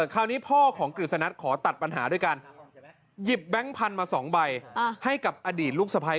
คราวนี้พ่อของกฤษณะขอตัดปัญหาด้วยการหยิบแบงค์พันธุ์มา๒ใบให้กับอดีตลูกสะพ้าย